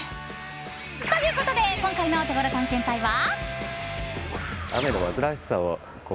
ということで今回のオテゴロ探検隊は。